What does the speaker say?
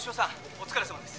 お疲れさまです」